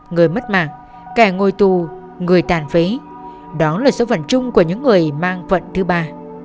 người mất mạng kẻ ngồi tù người tàn phế đó là số phận chung của những người mang vận thứ ba